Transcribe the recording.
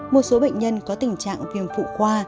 một số bệnh nhân có tình trạng viêm phụ khoa